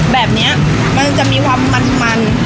แบบนี้มันจะมีความมัน